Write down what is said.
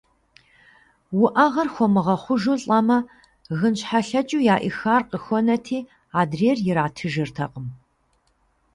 Уӏэгъэр хуэмыгъэхъужу лӏэмэ, гынщхьэлъэкӏыу яӏихар къыхуэнэти, адрейр иратыжыртэкъым.